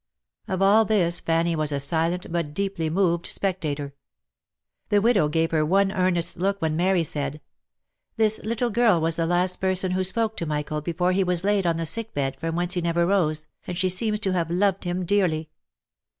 Of all this Fanny was a silent, but deeply moved spectator. The widow gave her one earnest look when Mary said, " This little girl was the last person who spoke to Michael before he was laid on the sick bed from whence he never rose, and she seems to have loved him dearly."